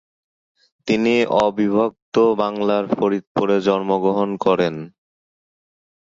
তিনি অবিভক্ত বাংলার ফরিদপুরে জন্মগ্রহণ করেন।